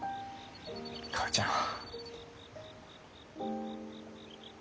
母ちゃん。